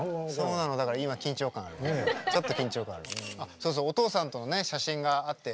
そうそうおとうさんとのね写真があって。